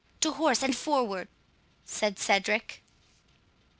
"To horse, and forward!" said Cedric.